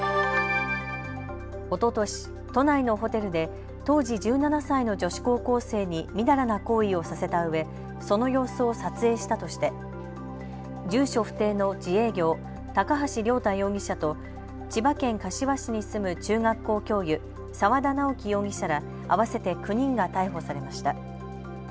おととし都内のホテルで当時１７歳の女子高校生に淫らな行為をさせたうえその様子を撮影したとして住所不定の自営業、高橋亮太容疑者と千葉県柏市に住む中学校教諭、澤田尚規容疑者ら合わせて９人が逮捕されました。